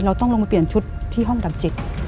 เราต้องลงมาเปลี่ยนชุดที่ห้องดับ๗